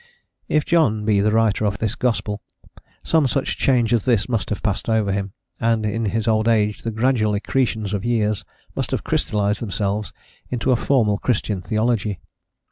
If John be the writer of this gospel, some such change as this must have passed over him, and in his old age the gradual accretions of years must have crystallised themselves into a formal Christian theology.